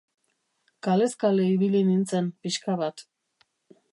Kalez kale ibili nintzen pixka bat.